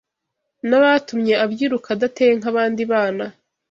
N’abatumye abyiruka adateye nkbandi bana